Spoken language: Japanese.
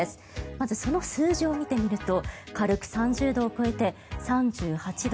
まずその数字を見てみると軽く３０度を超えて３８度。